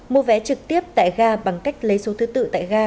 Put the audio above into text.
mua vé trực tiếp tại ga bằng cách lấy số thứ tự tại ga